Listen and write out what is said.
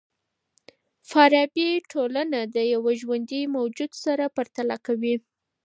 فارابي ټولنه د یوه ژوندي موجود سره پرتله کوي.